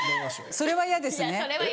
それは嫌です。